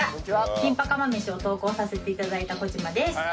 キンパ釜飯を投稿させて頂いた小嶋です。